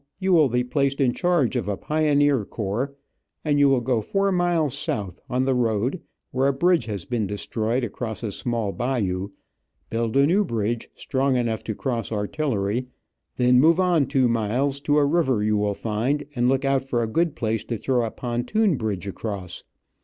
"You will be placed in charge of a pioneer corps, and you will go four miles south, on the road, where a bridge has been destroyed across a small bayou, build a new bridge strong enough to cross artillery, then move on two miles to a river you will find, and look out a good place to throw a pontoon bridge across.